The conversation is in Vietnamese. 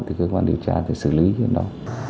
thì cơ quan điều tra sẽ xử lý đến đó